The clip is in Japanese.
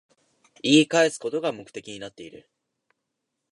言い返すことが目的になってる